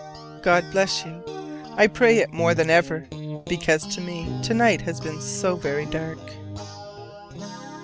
God bless you! I pray it more than ever; because to me to night has been so very dark.